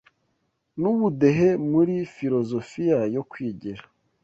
N’ubudehe muri filozofiya yo kwigira